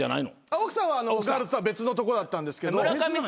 奥さんはガールズとは別のとこだったんですけど。